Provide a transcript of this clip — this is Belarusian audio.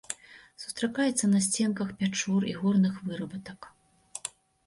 Сустракаецца на сценках пячор і горных вырабатак.